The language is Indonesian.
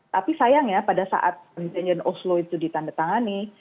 tapi sayangnya pada saat perjanjian oslo itu ditandatangani